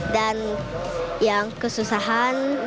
dan yang kesusahan